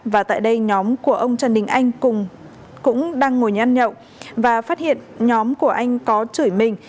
và tại đây nhóm của ông trần đình anh cũng đang ngồi ăn nhậu và phát hiện nhóm của anh có chửi mình